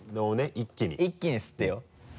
一気に吸ってよ。